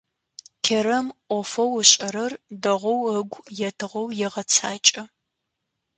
Керэм ӏофэу ышӏэрэр дэгъоу ыгу етыгъэу егъэцакӏэ.